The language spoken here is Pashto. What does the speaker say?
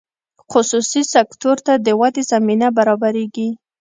خصوصي سکتور ته د ودې زمینه برابریږي.